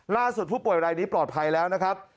ล่าสุดผู้ป่วยรายนี้ปลอดภัยแล้วนะครับ